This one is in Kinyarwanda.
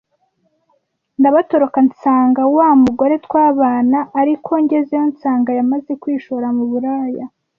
ndabatoroka nsanga wa mugore twabana ariko ngezeyo nsanga yamaze kwishora mu buraya